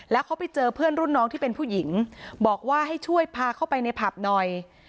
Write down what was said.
แล้วเขาไปเจอเพื่อนรุ่นน้องที่เป็นผู้หญิงบอกว่าให้ช่วยพาเข้าไปในผับหน่อย